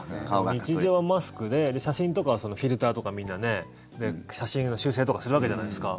日常はマスクで写真とかはフィルターとかみんな写真を修整とかするわけじゃないですか。